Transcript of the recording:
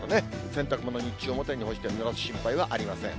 洗濯物、日中、表に干してぬらす心配はありません。